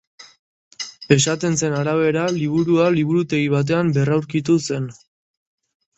Esaten zen arabera liburua liburutegi batean berraurkitu zen.